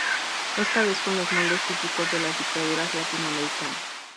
Esta vez, con los moldes típicos de las Dictaduras latinoamericanas.